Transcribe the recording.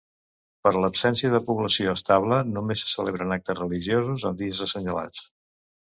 Per l'absència de població estable només se celebren actes religiosos en dies assenyalats.